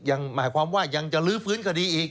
หมายความว่ายังจะลื้อฟื้นคดีอีก